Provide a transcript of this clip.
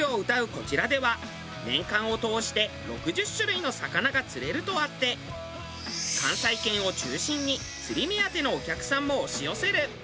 こちらでは年間を通して６０種類の魚が釣れるとあって関西圏を中心に釣り目当てのお客さんも押し寄せる。